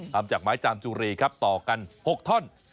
ทำจากไม้จามจุรีครับต่อกัน๖ท่อน